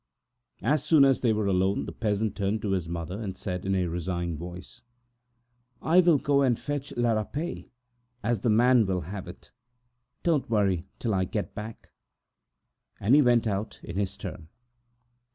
And as soon as they were alone, the peasant turned to his mother, and said in a resigned voice: "I will go and fetch La Rapet, as the man will have it. Don't go off while I am away." And he went out in his turn.